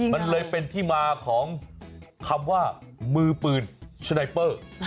มันเลยเป็นที่มาของคำว่ามือปืนชนัยเปอร์